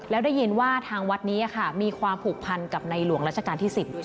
แล้วได้ยินว่าทางวัดนี้มีความผูกพันกับในหลวงราชการที่๑๐